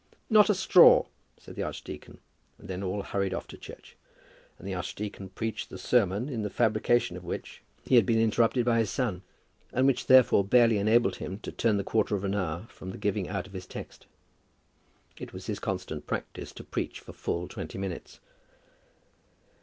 "Not a straw," said the archdeacon, and then all hurried off to church; and the archdeacon preached the sermon in the fabrication of which he had been interrupted by his son, and which therefore barely enabled him to turn the quarter of an hour from the giving out of his text. It was his constant practice to preach for full twenty minutes.